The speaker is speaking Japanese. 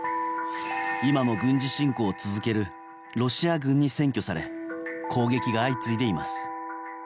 今も軍事侵攻を続けるロシア軍に占拠され攻撃が相次いでいます。